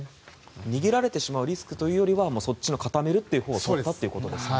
逃げられてしまうリスクというよりはそっちの固めるほうを取ったということですね。